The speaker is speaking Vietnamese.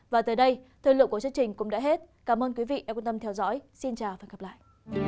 và tới đây thời lượng của chương trình cũng đã hết cảm ơn quý vị đã quan tâm theo dõi xin chào và hẹn gặp lại